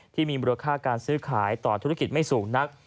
ที่มีมูลค่าการซื้อขายต่อธุรกิจไม่สูงนัก